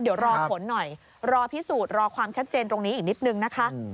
เดี๋ยวรอผลหน่อยรอพิสูจน์รอความชัดเจนตรงนี้อีกนิดนึงนะคะ